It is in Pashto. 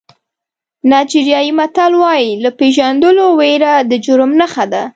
نایجیریایي متل وایي له پېژندلو وېره د جرم نښه ده.